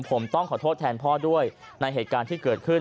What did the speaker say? ผมต้องขอโทษแทนพ่อด้วยในเหตุการณ์ที่เกิดขึ้น